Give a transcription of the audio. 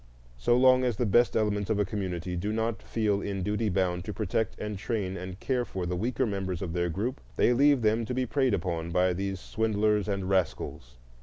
So long as the best elements of a community do not feel in duty bound to protect and train and care for the weaker members of their group, they leave them to be preyed upon by these swindlers and rascals.